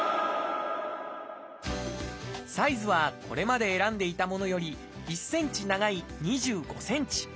サイズはこれまで選んでいたものより１センチ長い２５センチ。